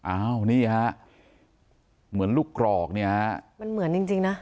อ้าวนี่ฮะเหมือนลูกกรอกเนี่ยฮะมันเหมือนจริงจริงนะ